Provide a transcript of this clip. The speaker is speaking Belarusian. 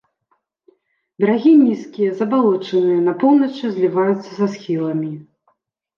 Берагі нізкія, забалочаныя, на поўначы зліваюцца са схіламі.